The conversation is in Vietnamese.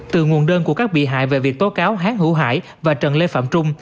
từ nguồn đơn của các bị hại về việc tố cáo hán hữu hải và trần lê phạm trung